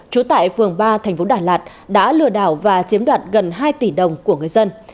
trú tại phường ba thành phố đà lạt đã lừa đảo và chiếm đoạt gần hai tỷ đồng của người dân